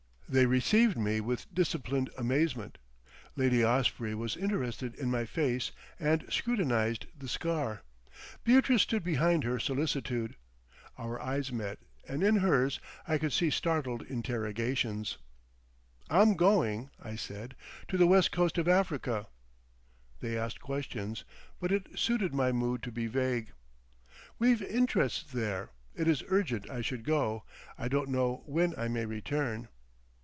They received me with disciplined amazement. Lady Osprey was interested in my face and scrutinised the scar. Beatrice stood behind her solicitude. Our eyes met, and in hers I could see startled interrogations. "I'm going," I said, "to the west coast of Africa." They asked questions, but it suited my mood to be vague. "We've interests there. It is urgent I should go. I don't know when I may return."